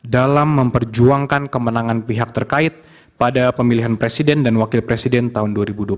dalam memperjuangkan kemenangan pihak terkait pada pemilihan presiden dan wakil presiden tahun dua ribu dua puluh empat